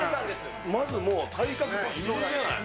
まずもう、体格抜群じゃない。